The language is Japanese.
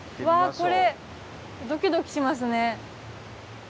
わこれドキドキしますね。